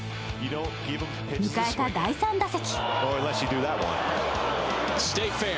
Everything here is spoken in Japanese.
迎えた第３打席。